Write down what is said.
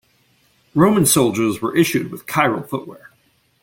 Roman soldiers were issued with chiral footwear.